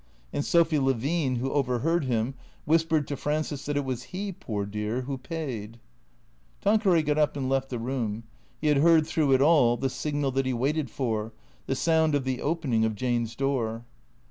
And Sophy Levine, who overheard him, whispered to Frances that it was he, poor dear, who paid. Tanqueray got up and left the room. He had heard through it all the signal that he waited for, the sound of the opening of Jane's door.